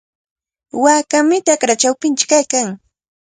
Waakami chakra chawpinchaw kaykan.